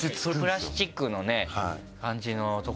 プラスチックの感じの所だよ。